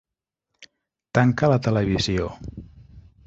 Tanca la televisió.